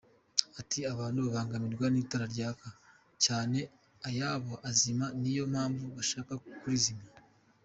Ati “Abantu babangamirwa n’itara ryaka cyane ayabo azima niyo mpamvu bashaka kurizimya.